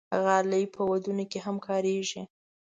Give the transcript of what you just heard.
غالۍ په ودونو کې هم کارېږي.